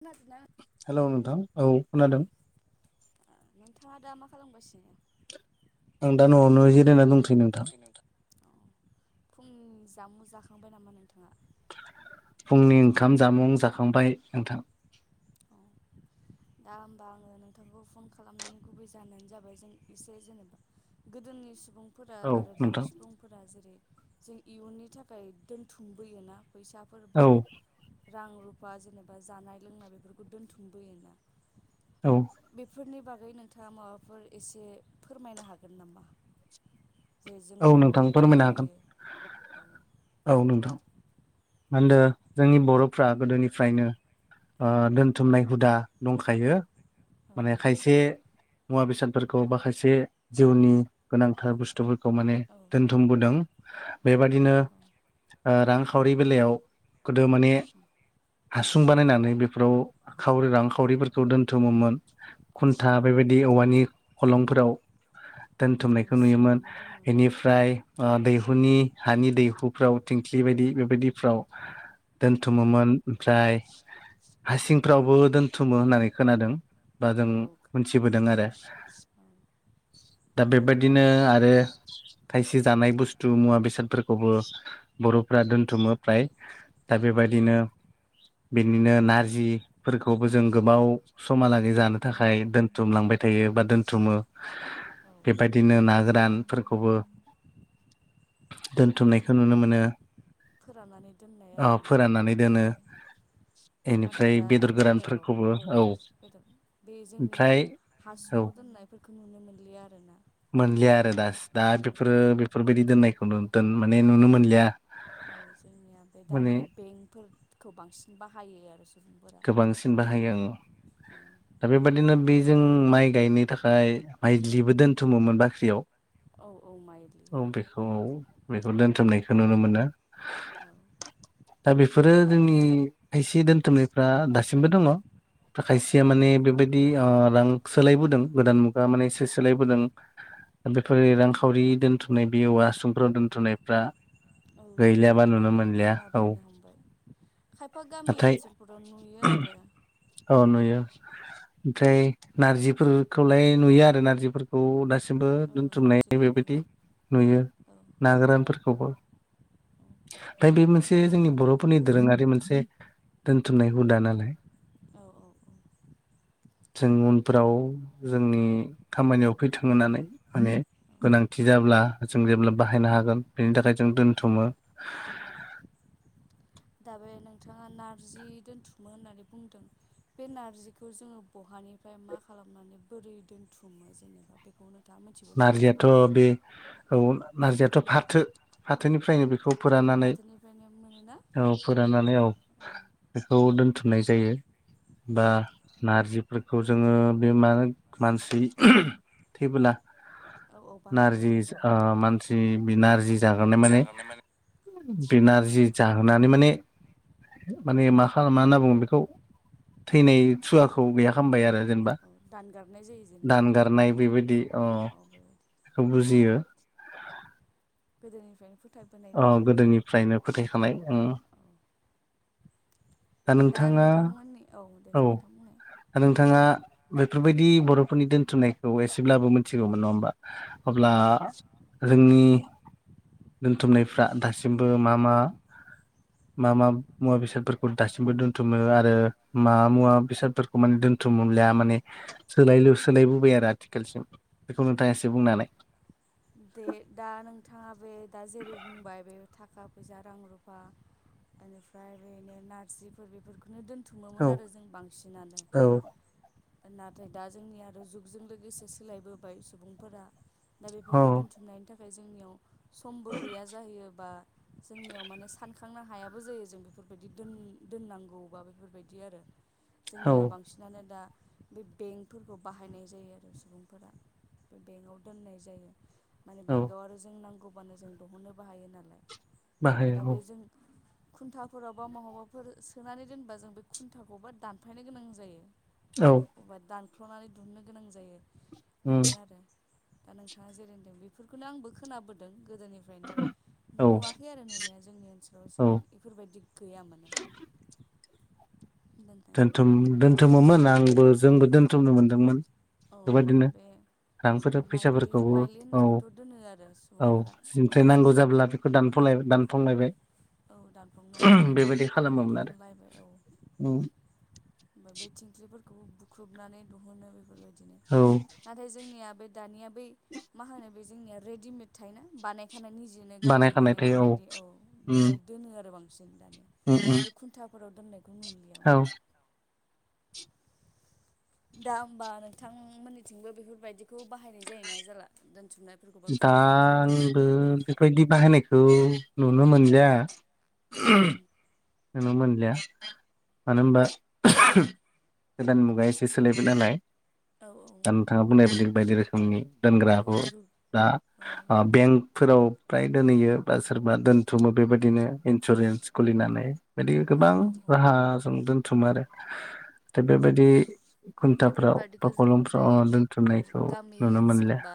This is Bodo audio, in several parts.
खोनादोंना हेलौ नोंथां औ खोनादों नोंथाङा दा मा खालामगासिनो आं दा न'आवनो जिरायना दंसै नोंथां फुंनि जामुं जाखांबाय नामा नोंथाङा फुंनि ओंखाम जामुं जाखांबाय नोंथां औ दा होमबा आङो नोंथांखौ फन खालामनायनि गुबै जानायानो जाबाय जों एसे जेनेबा गोदोनि सुबुं फोरा औ आरो दानि नोंथां सुबुंफोरा जेरै जों इयुननि थाखाय दोनथुमबोयोना औ फैसाफोरबा रां रुफा जेनेबा जानाय लोंनाय बेफोरखौ दोन्थुमबोयोना औ बेफोरनि बागै आगै नोंथाङा माबाफोर एसे फोरमायनो हागोन नामा जे जों औ बोरै नोंथां फोरमायनो हागोन दोनथुमबोयो औ मादो जोंनि बर'फ्रा गोदोनिफ्रायनो दोनथुमनाय हुदा दंखायो माने औ औ। खायसे मुवा बेसादफोरखौ माखायसे जिउनि गोनांथार बुस्थुफोरखौ माने औ दोनथुमबोदों बेबादिनो रांखावरि बेलायाव गोदो माने हासुं बानायनानै बेफोराव खावरि रां खावरिफोरखौ दोन्थुमोमोन औ खुन्था बेबायदि औवानि खलंफोराव औ दोनथुमनायखौ नुयोमोन सोनानै दोनोमोन ओमफ्राय दैहुनि हानि दैहुफ्राव थिंख्लि बायदि बेबायदिफ्राव ओं दोनथुमोमोन ओमफ्राय हासिंफ्रावबो दोनथुमो होननानै खोनादों बा औ जों औ खो मोनथिबोदों आरो औ दा बेबायदिनो आरो औ खायसे जानाय बुस्थु मुवा बेसादफोरखौबो बर'फ दोन्थुमो फ्राय दा औ बेबायदिनो बिदिनो नारजिफोरखौबो जों गोबाव समालागै दोन जानो औ थाखाय दोनथुमलांबाय थायो बा दोनथुमो औ बेबायदिनो ना गोरान दोनथुमनायखौ नुनो मोनो फोराननानै दोननाय अ आरोना फोराननानै दोनो नाथाय इनिफ्राय दा बेदर आथिखालाव गोरानफोरखौबो औ बेदर बे जोंनिया ओमफ्राय औ हासुङाव दोननायफोरखौ नुनो मोनलिया आरो ना मोनलिया आरो दा दा बेफोरो बेफोरबायदि दोननायखौ माने नुनो मोनलिया औ जोंनिया बे माने दानिया बेंकफोरखौ बांसिन बाहायो आरो सुबुंफोरा गोबांसिन बाहायो आं औ दा बेबायाददिनो बेजों माइ गायनो थाखाय माइलिबो दोनथुमोमोन बाख्रियाव औ औ माइलि औ बेखौ बेखौ औ दोनथुमनायखौ नुनो मोनो। औ दा बेफोरो जोंनि खायसे दोनथुमनायफ्रा दासिमबो दङ। खायसेया दङ माने बेबायदि अ रां सोलायबोदों गोदान मुगा माने सो सोलायबोदों फोरै रांखावरि दोनथुमनाइ बे औवा हासुंफोराव दोन्थ'नायफ्रा औ गैला माने औ गोमाबोनो हमबाय। खायफा गामि नाथाय ओनसोलफोराव नुयो आरो। औ नुयो ओमफ्राय नारजिफोरखौलाय नुयो आरो नारजि फोरखौ दासिमबो औ बदोनथुमनाय नारजिखौ बेबायदि नुयो नुयो औ ना गोरानफोरखौबो। दा बे मोनसे जोंनि बर'फोरनि दोरोङारि मोनसे दोनथुमनाय हुदा नालाय। औ औ औ। जों उनफ्राव जोंनि खामानियाव फैथों होनानै माने। औ गोनांथि जाब्ला जों जेब्ला बाहायनो हागोन बेनि थाखाय जों दोनथुमो। औ दा बे नोंथाङा नारजि दोनथुमो होननानै बुंदों। बे नारजिखौ जोङो बहानिफ्राय मा खालामनानै बोरै दोनथुमो जेनेबा बेखौ नोंथाङा मिथिगौ नामा नारजियाथ' बे औ नारजियाथ' फाथो फाथोनिफ्रायनो बेखौ औ फोरनानै फाथोनिफ्रायनो मोनोना औ फोराननानै औ बेखौ दोन थुमनाय जायो। बा नारजिफोरखौ जोङो बे मा मानसि थैबोला औ औ बाहायनाय नारजि जायो ओ मानसि नारजि जोहोनाइ माने बे औ नारजि जाहोनानै माने माने मा खालाम मा होनना बुङो बेखौ थैनाय सुवाखौ गैया खालामबाय आरो। जेनबा औ दानगारनाय जायो जेनेबा दानगारनाय बेबायदि अ औ बेबायदि बेखौ बुजियो। गोदोनिफ्रायनो फु औ गोदोनिफ्रायनो फोथायखानाय उम औ दा नोंथांमोननि दे औ नोंथां बुंनाय नोंथाङा बेफोरबायदि बर'फोरनि दोनथुमनाय। एसेब्लाबो मिथिगौमोन नङा होमबा अब्ला जोंनि औ दोनथुमनायफ्रा दासिमबो मा मा मा मा मुवा बेसादफोर दासिबो दोनथुम आरो मा मुवा बेसादफोरखौ दोनथुम लिया माने सो सोलायबोबाय आरो आथिखालसिम बेखौ नोंथाङा एसे बुंनानै [inaudible] दे दा नोंथाङा बे दा जेरै बुंबाय बे थाखा फैसा रां रुफा। निफ्राय ओरैनो नारजिफोर बेफोरखौनो दोन औ थुमोमोन आरो जों बांसिनानो। औ नाथाय दा जोंनि आरो जुगजों लोगोसे सोलायबोबाय सुबुंफोरा दा बेफोर औ खौ दोनथुमनायनि थाखाय जोंनियाव समबो गैया जाहैयो बा जोंनियाव माने सान खांनो हायाबो जायो जों बेफोरबायदि दोन दोननांगौबा बेफोरबायदि आरो। औ जोंनिया बांसिनानो दा बे बेंकफोरखौ बाहायनाय जायो आरो सुबुंफोरा बे बेंकआव दोननाय जायो। माने औ बेंकआव आरो जों नांगौबानो जों दिहुननोबो हायो नालाय बाहायो दा बे औ जों खुन्थाफोराव बा महाबाफोर सोनानै दोनबा जों बे खुन्थाखौबो दानफायनो गोनां जायो। औ बा दानख्ल'नानै दुहुनो गोनां जायो उम बेनो आरो दा नों नोंथाङा जेरैहोनदों बेफोरखौनो आंबो खोनाबोदों। गोदोनिफ्रायनो औ नुवाखै आरो नुनाया जोंनि ओनसोलाव औ एसेबां इफोरबायदि गैयामोन। [inaudible] दोनथुम दोनथुमोमोन आंबो जोंबो दोन्थुमनो मोनदोंमोन औ बेबायाददिनो। बे औ बे रांफोर माइलि फैसाफोरखौबो माइलि औ-औ होननायखौथ' दोनो आरो सुबुंफोरा ओमफ्राय नांगौ जाब्ला बेखौ दान [unintelligible] दानफुंलायबाय औ दानफ्लबनानै आरो खालामोमोन दिहुनलायबाय बो औ आरो ओमफ्राय बे थिंख्लिफोरखौ बुख्रुबनानै दिहुनो बेफोरबायदि बिदिनो औ नाथाय जोंनिया बे दानिया बै मा होनो बे जोंनिया रेडिमेड थायोना बानायखा खानाय निजेनो गावनो बानायखानाय औ उम बेवहाय दोनो आरो बां जों दानिया उम उम बे खुन्थाफोराव दोननायखौ नुलिया औ माने दा होमबा नोंथांमोननिथिंबो बेफोरबायदिखौ बाहायनाय जायोना जाला द दा आंबो बेफोरखौ बेबायदि बाहायनायखौ नुनो मोनलिया औ [unintelligible] नुनो मोनलिया मानो होनबा गोदान मुगाया एसे सोलायबाय नालाय औ दा नोंथाङा बुंनाय बायदि बायदि रोखोमनि औ दोनग्राबो जुग दा औ बेंकफोराव फ्राय दोनहैयो बा सोरबा दोनथुमो बेबायदिनो इन्सुरेन्स खुलिनानै। बेदिनो औ गोबां औ औ राहाजों दोनथुमो आरो दा बेबायदि खुन्थाफ्राव बा बेफोरबादिखौ जोङो बे गरंफ्राव औ दोन्थुमनायखौ गामि नुनो ओनसोल मोनलिया। बा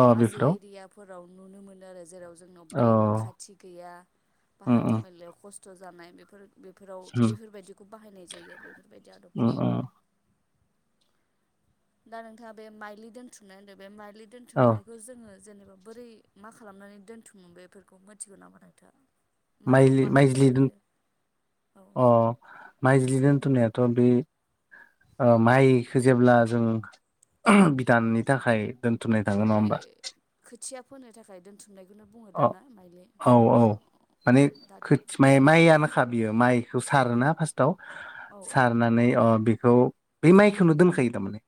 अ हाजो बेफोराव एरियाफोराव नुनो मोनो आरो जेराव जोंनाव अ बें खाथि गैया। बा उम हान्था उम मेलायाव खस्थ' जानाय बेफोर बेफोराव उम बेफोरबायदिखौ बाहायनाय जायो आरो बेफोरबायदि आदबखौ। उम उम दा नोंथाङा बे माइलि दोन्थुमनाय होनदों बे माइलि औ दोन्थुमनायखौ जोङो जेनेबा बोरै मा खालामनानै दोन्थुमो बेफोरखौ मिथिगौ नामा नोंथाङा। मायाव बाहायनाय माइज्लि-माइज्लि दोन जायो औ अ माइज्लि दोन थोननायथ' बे ओ माइखो जेब्ला जों बिदाननि थाखाय दोनथुमनाय थाङो नङा अबे होमबा खोथिया फोनो थाखाय दोनथुमनायखौनो बुङो अ दाना माइलि। औ औ माने दा खोथि माइ माइआ माखा बियो माइखौ सारना फास औ सारनानै बेखौ बे माइखौनो दोनखायो थार माने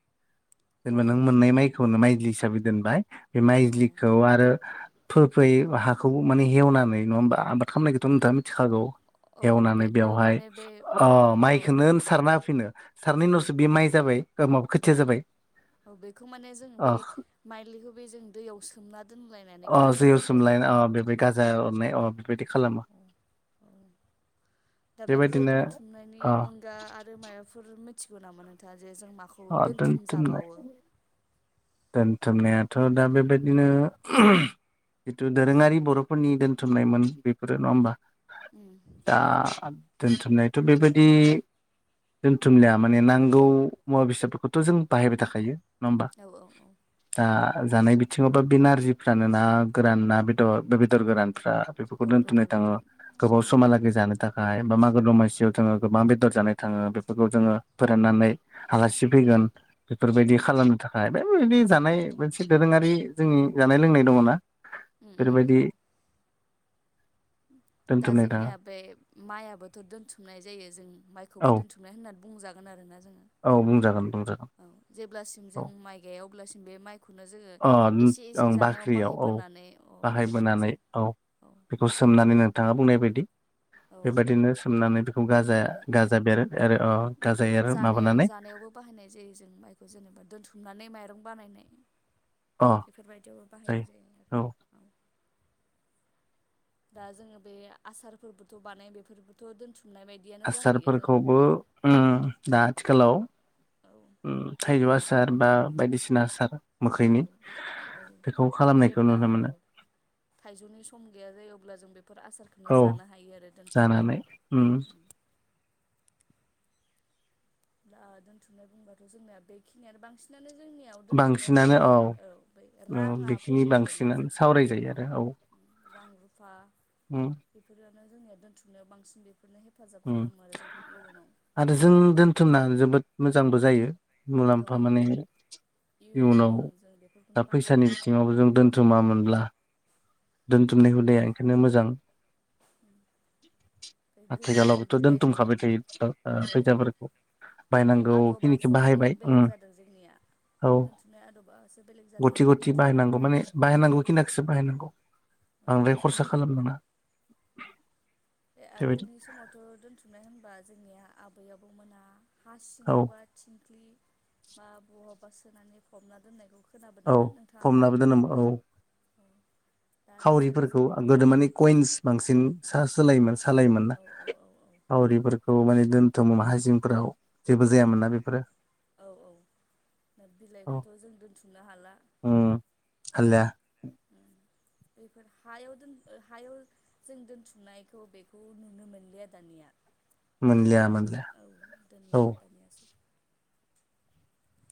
जेनेबा नों मोननाय माइखौनो माइजलि हिसाबै दोनबाय बे औ माइजलिखौ आरो फोफै हाखौ माने हेवनानै नङा होमबा आबाद खालामनायखौथ' नोंथाङा मिथिखागौ औ औ बे एवनानै अ बेवहाय माने बे औ माइखौनो सारना होफिनो सारनि उनावसो बे माइ जाबाय माबा खोथिया जाबाय औ बेखौ माने जों अ बै माइलिखौ बे जों दैयाव सोमना दोनलायनानै अ गाजा जैयाव बेरलायलाय सोमलाय अ बेबे गाजा लामा औ दा बेफोर दोनथुमनायनि अ अनगा आरो माबाफोर मिथिगौ नामा नोंथाङा जे जों माखौ अ दोनथुम दोनथुमनाय जाबावो दोनथुमनायाथ' दा बेबायदिनो जिथु दोरोङारि बर'फोरनि दोनथुमनायमोन बेफोरो नङा होमबा उम दा दोनथुमनायथ' बेबायदि दोनथुमलिया माने नांगौ मुवा बेसादफोरखौथ' जों बाहायबाय थाखायो नङा होमबा औ औ औ दा जानाय बिथिङावबा बे नारजिफ्रानो ना गोरान ना बेदर बेदर गोरान फ्रा औ बेफोरखौ दोनथनाय बेदर थाङो गोरान गोबाव औ समहालागै जानो थाखाय बा मागो दमासियाव जोङो गोबां बेदर जानाय थाङो बेफोरखौ जोङो फोराननानै आलासि औ फैगोन औ बेफोरबायदि खालामनो थाखाय बायदि जानाय मोनसे दोरोङारि जोंनि जानाय लोंनाय दङना उम उम उम बेबायदि दा जोंनिया बे माइयाबोथ' दोनथुमनाय जायो जों औ माइखौबो दोनथुमनाय होनना बुंजागोन आरोना जों औ बुंजागोन बुंजागोन औ जेब्लासिम औ जों माइ गया अब्लासिम बे माइखौनो जोङो अ एसे एसे ओं जानायाव बाख्रियाव औ बाहायबोनानै अ बेफोरखौ बाहायबोनानै जों औ औ बेखौ सोमनानै नोंथाङा बुंनाय बायदि [inaudible] बेबायदिनो सोमनानै बेखौ गाजा आरो गाजा बेरो आरो अ गाजा एरो जानायाव माबानानै जानायावबो बाहायनाय जायो जों माइखौ जेनेबा दोनथुमनानै माइरं बानायनाय अ बेफोरबायदियावबो बाहायनाय जायो औ। दा जोङो बे आसारफोरबोथ' बानायो बेफोरबोथ' दोनथुम आसारफोरखौबो उम दा आथिखालाव औ ओम थाइजौ दोन आसार बा बायदिसिना आसार औ मोखैनि औ बेखौ खालामनायखौ जेब्ला नुनो औ मोनो थाइजौनि सम गैया जायो अ अब्ला जों बेफोर आसारखौनो औ जानो हायो आरो जानानै दोनथुमनानै। उम दा दोन्थुमनाय बुंबाथ' जोंनिया बेखिनियानो बांसिनानो जोंनियाव दोनथुमनाय बुंबाथाय औ बै राङा बेखिनि फैयो आरोना बांसिनानो जों सावरायजायो रां रुफा हम। दा जोंनि दोनथुमनायाव बांसिन बे ओं आरो जों दोनथुमना जोबोद मोजांबो जायो। औ मुलाम्फा औ मानो। इयुनाव ओं जों बेफोरखौनो दा बाहायनाय फैसानि बिथिङावबो जों दोनथुमामोनब्ला औ दोनथुमनाय हुदाया ओमफ्राय ओंखायनो मोजां। [inaudible] गोदो आथिखालावबोथ' गोदायनि दोनथुमखाबाय थायो ओ औ फैसाफोरखौ औ बाहायनांगौ खिनिखौ आदबासो बाहायबाय उम बे-बेलेग जादों जोंनिया औ दोनथुमनाय आदबासो बेलेग जादों गथि नाथाय गथि दोनथुमनायखौ बाहायनांगौ माने बाहायानो बाहायनांगौ औ खिनाखिसो बाहायनांगौ। औ बांद्राय खरसा खालाम नाङा। बे आगोलनि समावथ' दोनथुमनाय होनबा जोंनिया आबै आबौ मोना हा औ सिङावबा थिंख्लि बा बहावबा सोनानै फबना दोननायखौ औ खोनाबोदोंना नोंथाङाबो फबनाबो दोनोमोन औ। दा आरो सोरबा खावरिफोरखौ सोरबा गोदो माने कइन्स बांसिन सा-सोलायोमोन। सालायोमोनना औ औ औ खावरिफोरखौ माने दोन्थुमोन हासिंफोराव। जेबो जायामोनना बेफोरो। दा बिलाइखौथ' जों दोनथुमनो हाला। हालाया। उ बेफोर हायाव दोन हायाव जों दोनथुमनायखौ बेखौ नुनो मोनलिया दानिया। मोनलिया दोनलामोन मोनलिया औ औ दोनला दानि मानसिया।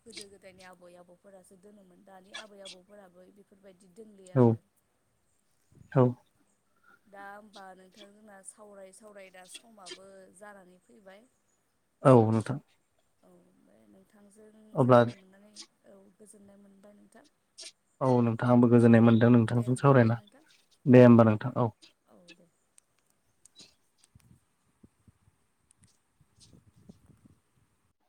गोदो गोदायनि आबै आबौफोरासो दोनोमोन दानि आबै आबौफोराबो बेफोरबायदि बिदि दोनलिया औ आरो। औ दा होमबा नोंथांमोनना सावराय सावराय दा समाबो जानानै फैबाय। औ नोंथां। बिथांजों अब्ला सावरायनो मोननानै औ गोजोननाय मोनबाय नोंथां। औ नोंथां आंबो गोजोननाय मोनदों दे नोंथांजों होमबा ना सावरायना नोंथां दे औ होमबा नोंथां औ। औ दे